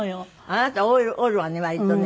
あなた折るわね割とね。